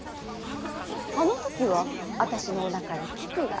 あの時は私のおなかにきくが。